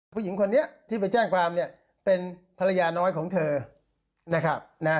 ผู้หญิงคนนี้ที่ไปแจ้งความเนี่ยเป็นภรรยาน้อยของเธอนะครับนะฮะ